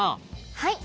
はい。